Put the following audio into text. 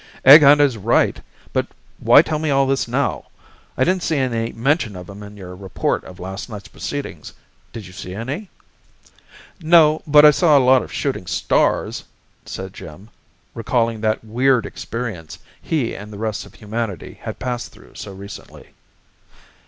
"Egg hunt is right! But why tell me all this now? I didn't see any mention of 'em in your report of last night's proceedings. Did you see any?" "No, but I saw a lot of shooting stars!" said Jim, recalling that weird experience he and the rest of humanity had passed through so recently.